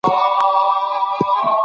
فکر اوچت غواړمه قد خم راکه